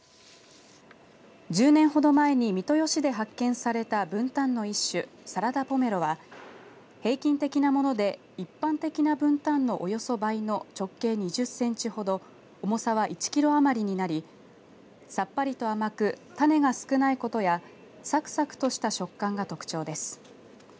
１０年ほど前に三豊市で発見された、ぶんたんの一種サラダポメロは平均的なもので一般的な、ぶんたんのおよそ倍の直径２０センチほど重さは１キロ余りになりさっぱりと甘く種が少ないことやサクサクとした食感が特徴です。